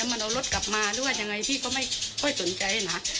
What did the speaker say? มันเอารถกลับมาหรือว่ายังไงพี่ก็ไม่ค่อยสนใจนะ